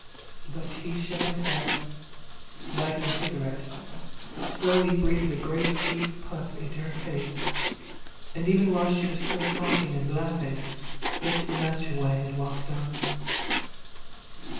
But he shook his head, lighted a cigarette, slowly breathed a great deep puff into her face, and even while she was still talking and laughing, flicked the match away and walked on.